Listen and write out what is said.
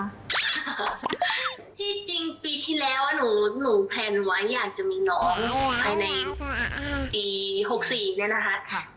ที่จริงปีที่แล้วหนูแพลนไว้อยากจะมีน้องภายในปี๖๔เนี่ยนะคะ